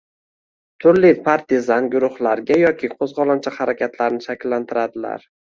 turli partizan guruhlarga yoki qo‘zg‘olonchi harakatlarni shakllantiradilar